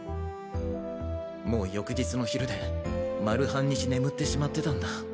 もう翌日の昼で丸半日眠ってしまってたんだ。